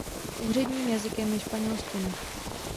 Úředním jazykem je španělština.